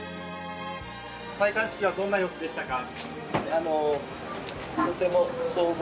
戴冠式はどんな様子でしたか？